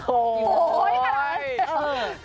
โอ้ที่ค่ะ